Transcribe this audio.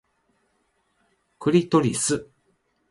クリトリス